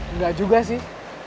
enggak juga sih